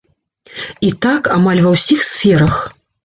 І так амаль ва ўсіх сферах.